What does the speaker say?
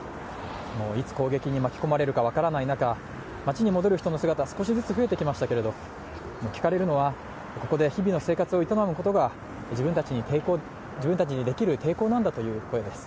いつ攻撃に巻き込まれるか分からない中街に戻る人の姿、少しずつ増えてきましたけれども聞かれるのは、ここで日々の生活を営むことが自分たちにできる抵抗なんだという声です。